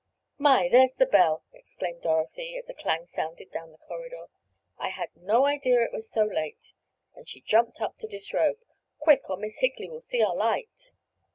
"My! There's the bell!" exclaimed Dorothy as a clang sounded down the corridor. "I had no idea it was so late," and she jumped up to disrobe. "Quick, or Miss Higley will see our light."